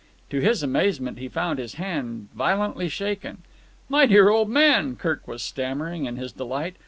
To his amazement he found his hand violently shaken. "My dear old man!" Kirk was stammering in his delight.